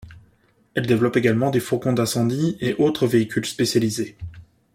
Elle développe également des fourgons d'incendie et autres véhicules spécialisés.